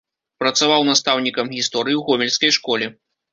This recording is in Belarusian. Працаваў настаўнікам гісторыі ў гомельскай школе.